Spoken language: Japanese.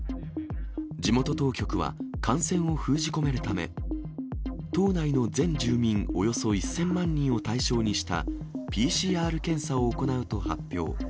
地元当局は感染を封じ込めるため、島内の全住民およそ１０００万人を対象にしたＰＣＲ検査を行うと発表。